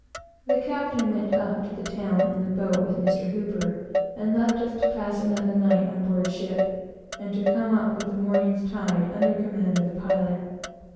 The captain went up to town in the boat with Mr. H , and left us to pass another night on board ship, and to come up with the morning's tide under command of the pilot.